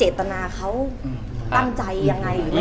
เหมือนนางก็เริ่มรู้แล้วเหมือนนางก็เริ่มรู้แล้ว